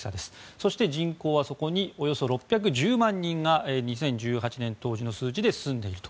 そして人口はおよそ６１０万人が２０１８年当時の数値で住んでいると。